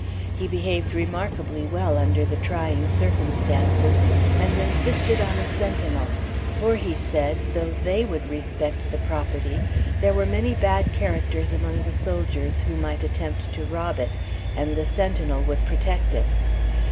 He behaved remarkably well under the trying circumstances, and insisted on a sentinel; for, he said, though they would respect the property, there were many bad characters among the soldiers who might attempt to rob it, and the sentinel would protect it.